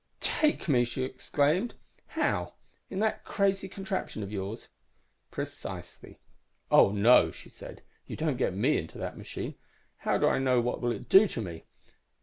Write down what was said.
"_ "Take me!" she exclaimed. "How? In that crazy contraption of yours?" "Precisely." _"Oh no!" she said. "You don't get me into that machine! How do I know what it will do to me?